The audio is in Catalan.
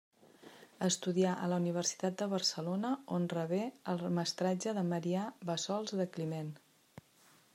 Estudià a la Universitat de Barcelona on rebé el mestratge de Marià Bassols de Climent.